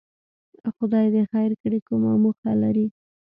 خدای دې خیر کړي، کومه موخه لري؟